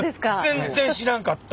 全然知らんかった！